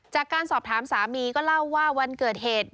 จากการสอบถามสามีก็เล่าว่าวันเกิดเหตุ